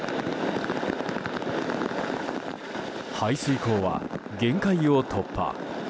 排水溝は限界を突破。